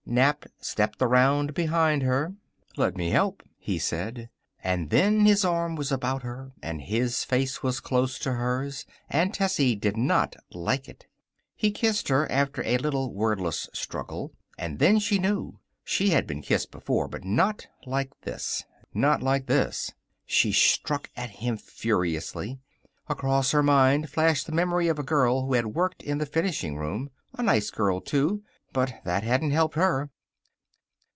Nap stepped around behind her. "Let me help," he said. And then his arm was about her and his face was close to hers, and Tessie did not like it. He kissed her after a little wordless struggle. And then she knew. She had been kissed before. But not like this. Not like this! She struck at him furiously. Across her mind flashed the memory of a girl who had worked in the finishing room. A nice girl, too. But that hadn't helped her.